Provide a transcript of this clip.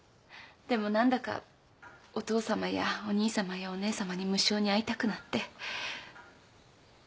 でも何だかお父さまやお兄さまやお姉さまに無性に会いたくなって。